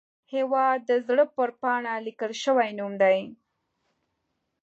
هیواد د زړه پر پاڼه لیکل شوی نوم دی